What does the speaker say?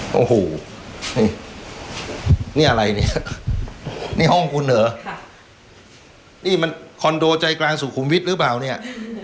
โอ้โหนี่อะไรเนี่ยนี่ห้องคุณเหรอค่ะนี่มันคอนโดใจกลางสุขุมวิทย์หรือเปล่าเนี่ย